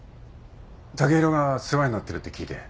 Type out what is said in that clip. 剛洋が世話になってるって聞いて。